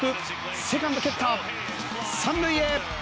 セカンド蹴った、３塁へ。